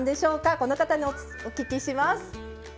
この方にお聞きします。